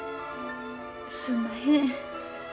すんまへん。